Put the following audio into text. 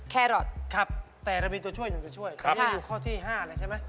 แครอทครับแต่เรามีตัวช่วยหนึ่งตัวช่วยตอนนี้อยู่ข้อที่๕เลยใช่ไหม